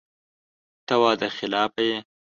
ته وعده خلافه یې !